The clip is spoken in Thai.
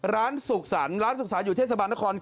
ร้านสุขสรรค์ร้านสุขสรรค์อยู่เทศบาลนครนะครับ